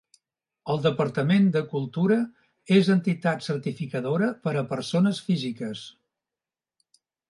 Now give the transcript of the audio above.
El Departament de Cultura és entitat certificadora per a persones físiques.